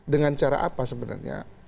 dengan cara apa sebenarnya